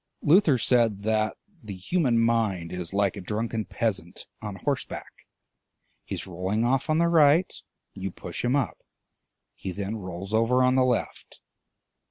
Luther said that the human mind is like a drunken peasant on horseback: he is rolling off on the right, you push him up, he then rolls over on the left.